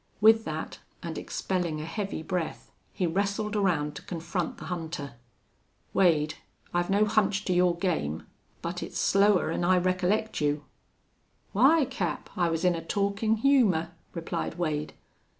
With that, and expelling a heavy breath, he wrestled around to confront the hunter. "Wade. I've no hunch to your game, but it's slower'n I recollect you." "Why, Cap, I was in a talkin' humor," replied Wade.